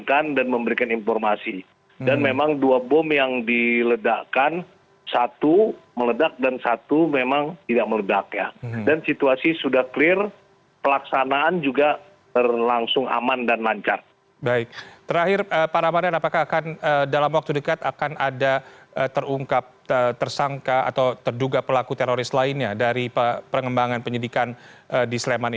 kami akan mencari penangkapan teroris di wilayah hukum sleman